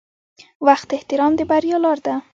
• وخت ته احترام د بریا لاره ده.